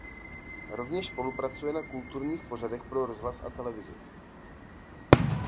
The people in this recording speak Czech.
Rovněž spolupracuje na kulturních pořadech pro rozhlas a televizi.